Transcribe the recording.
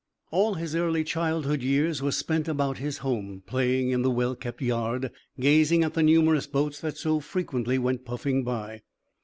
"All his early childhood years were spent about his home playing in the well kept yard gazing at the numerous boats that so frequently went puffing by.